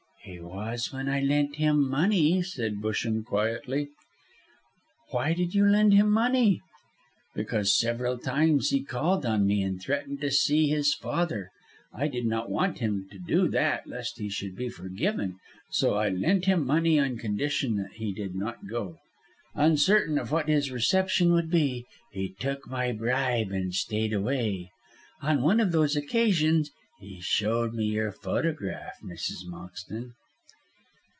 "He was when I lent him money," said Busham, quietly. "Why did you lend him money?" "Because several times he called on me and threatened to see his father. I did not want him to do that lest he should be forgiven, so I lent him money on condition that he did not go. Uncertain of what his reception would be, he took my bribe and stayed away. On one of those occasions he showed me your photograph, Mrs. Moxton."